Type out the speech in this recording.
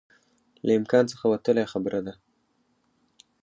له امکان څخه وتلی خبره ده